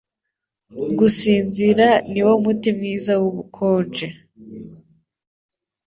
Gusinzira niwo muti mwiza wubukonje.